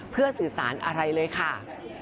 เพื่อสื่อสารอะไรเลยค่ะ